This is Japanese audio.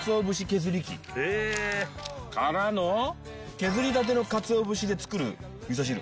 削りたてのかつお節で作るみそ汁。